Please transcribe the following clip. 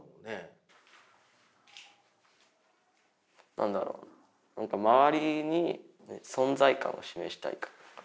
何だろう周りに存在感を示したいから？